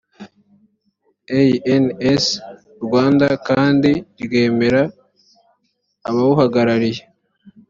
ans rwanda kandi ryemerera abawuhagarariye